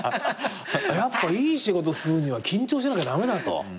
やっぱいい仕事するには緊張しなきゃ駄目だと。